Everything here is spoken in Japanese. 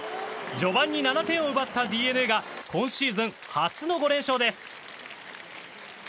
序盤に７点を奪ったＤｅＮＡが今シーズン初の５連勝です。